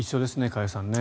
加谷さんね。